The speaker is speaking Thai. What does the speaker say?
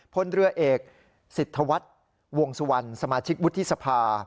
พลเรือเอกสิทธวัฒน์วงสุวรรณสมาชิกวุฒิสภา